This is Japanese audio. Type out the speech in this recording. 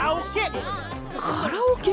カラオケ？